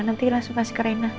nanti langsung kasih ke rena